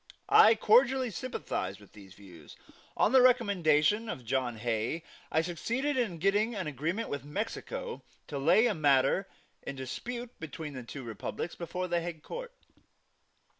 I cordially sympathized with these views. On the recommendation of John Hay, I succeeded in getting an agreement with Mexico to lay a matter in dispute between the two republics before the Hague Court.